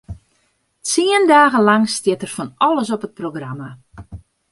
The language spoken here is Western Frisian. Tsien dagen lang stiet der fan alles op it programma.